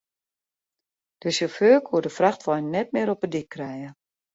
De sjauffeur koe de frachtwein net mear op de dyk krije.